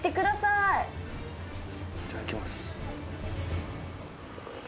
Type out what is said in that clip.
いただきます。